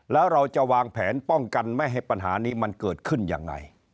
แล้วเราจะวางแผนป้องกันไม่ให้ปัญหานี้มันเกิดขึ้นยังไง